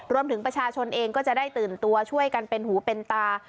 รวมถึงประชาชนเองก็จะได้ตื่นตัวช่วยกันเป็นหูเป็นตา